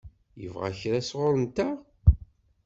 Yebɣa kra sɣur-nteɣ?